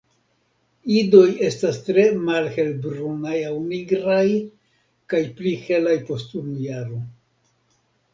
Idoj estas tre malhelbrunaj aŭ nigraj kaj pli helaj post unu jaro.